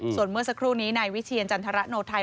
ส่วนเมื่อสักครู่นี้ในวิทยาลัยจันทรณโนไทย